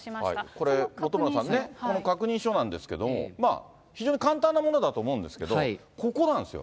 これ、本村さんね、この確認書なんですけれども、非常に簡単なものだと思うんですけれども、ここなんですよ。